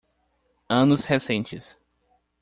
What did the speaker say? Anos recentes